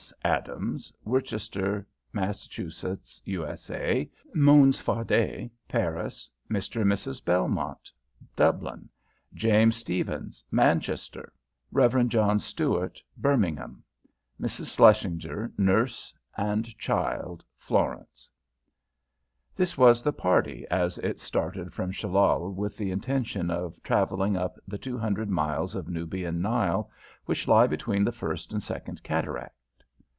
Adams Worcester, Mass, USA Mons Fardet Paris Mr. and Mrs. Belmont Dublin James Stephens Manchester Rev. John Stuart Birmingham Mrs. Shlesinger, nurse and child Florence This was the party as it started from Shellal with the intention of travelling up the two hundred miles of Nubian Nile which lie between the first and the second cataract.